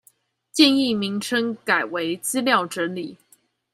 建議名稱改為資料整理